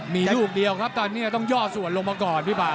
มีลูกเดียวครับตอนนี้ต้องย่อส่วนลงมาก่อนพี่ป่า